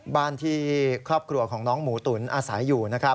บ้านที่ครอบครัวของน้องหมูตุ๋นอาศรายอยู่